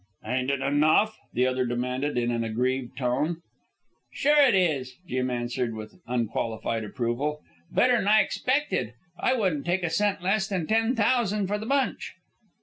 "Ain't it enough?" the other demanded in an aggrieved tone. "Sure it is," Jim answered with unqualified approval. "Better'n I expected. I wouldn't take a cent less than ten thousan' for the bunch."